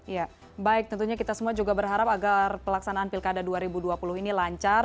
ya baik tentunya kita semua juga berharap agar pelaksanaan pilkada dua ribu dua puluh ini lancar